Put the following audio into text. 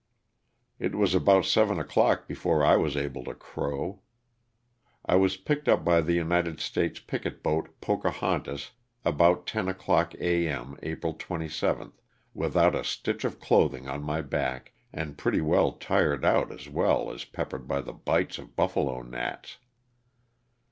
It was about seven o'clock before I was able to crow. I was picked up by the United States picket boat " Pocahon tas" about ten o'clock a. m. April 27, without a stitch of clothing on my back, and pretty well tired out as well as peppered by the bites of buffalo gnats.